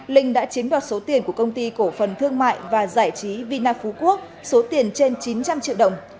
linh đã chiếm đoạt số tiền của công ty cổ phần thương mại và giải trí vina phú quốc số tiền trên chín trăm linh triệu đồng